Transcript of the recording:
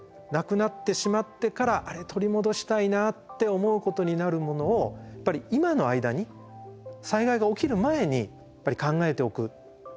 なくなってしまってからあれ取り戻したいなって思うことになるものを今の間に災害が起きる前に考えておく。